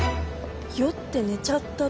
「酔って寝ちゃった。